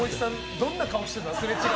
どんな顔してた？